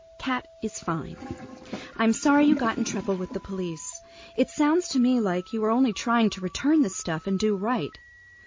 Cat is fine. I am sorry you got in trouble with the police. It sounds to me like you were only trying to return the stuff and do right.